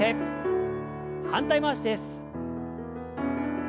反対回しです。